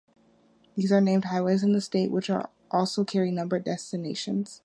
These are named highways in the state which also carry numbered designations.